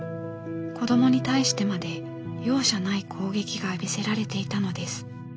子どもに対してまで容赦ない攻撃が浴びせられていたのです。